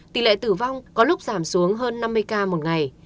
tỷ lệ tử vong có lúc giảm xuống hơn năm mươi ca một ngày